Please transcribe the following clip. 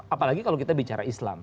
apalagi kalau kita bicara islam